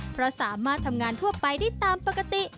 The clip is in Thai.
เพราะสามารถทำงานทั่วไปได้ตามปกติ